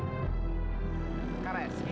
apakah kamu bahitudek ini